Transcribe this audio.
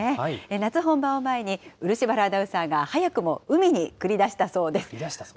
夏本番を前に、漆原アナウンサーが、早くも海に繰り出したそうです。